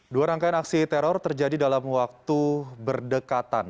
dua rangkaian aksi teror terjadi dalam waktu berdekatan